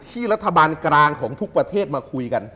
ที่รัฐบาลกลางของทุกประเทศมาคุยกัน